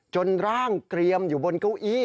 ร่างเกรียมอยู่บนเก้าอี้